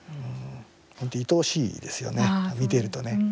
本当、いとおしいですよね見ているとね。